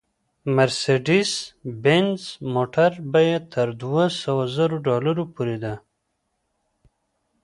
مارسېډیز بینز موټر بیه تر دوه سوه زرو ډالرو پورې ده